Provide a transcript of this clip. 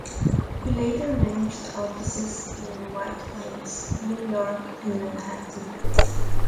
He later managed offices in White Plains, New York and Manhattan.